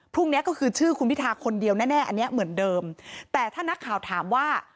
เนี้ยก็คือชื่อคุณพิทาคนเดียวแน่แน่อันนี้เหมือนเดิมแต่ถ้านักข่าวถามว่า